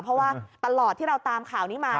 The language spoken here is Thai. เพราะว่าตลอดที่เราตามข่าวนี้มา